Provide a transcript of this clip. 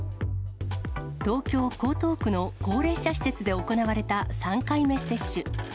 東京・江東区の高齢者施設で行われた３回目接種。